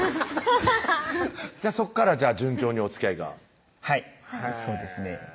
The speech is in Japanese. そこから順調におつきあいがはいそうですね